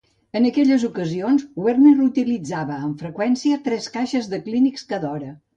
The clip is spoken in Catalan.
En aquelles ocasions, Werner utilitzava, amb freqüència, tres caixes de Kleenex cada hora.